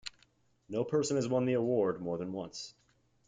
No person has won the award more than once.